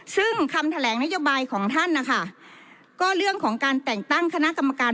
ซึ่งคำแถลงนโยบายของท่านนะคะก็เรื่องของการแต่งตั้งคณะกรรมการ